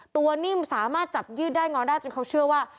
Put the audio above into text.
นิ่มสามารถจับยืดได้งอนได้จนเขาเชื่อว่า